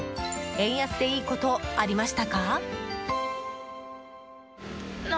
円安で良いことありましたか？